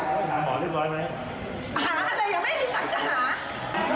ดูนะท่านภูมิว่าท่านภูมิว่าหนูก็เลือกท่านนะ